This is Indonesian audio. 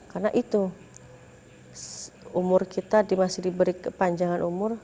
karena itu umur kita masih diberi panjangan umur